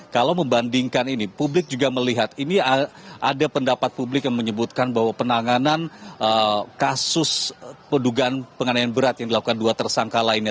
kalau membandingkan ini publik juga melihat ini ada pendapat publik yang menyebutkan bahwa penanganan kasus pedugaan penganiayaan berat yang dilakukan dua tersangka lainnya